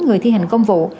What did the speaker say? người thi hành công vụ